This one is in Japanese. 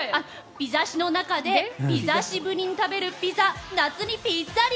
ピザしの中でピザしぶりに食べるピザ夏にぴっつぁり！